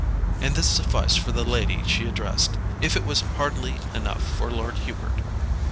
and this sufficed for the lady she addressed, if it was hardly enough for Lord Hubert.